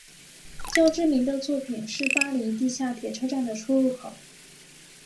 较知名的作品是巴黎地下铁车站的出入口。